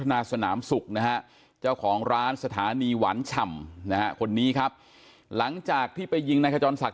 อาการสาหัสอยู่ก็ร้องตะโกนให้คนที่เข้าเวรที่ปั๊มเนี่ยมาช่วย